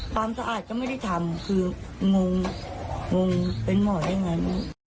ความสะอาดก็ไม่ได้ทำคืองงงงเป็นหมอได้ยังไง